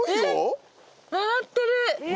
回ってる。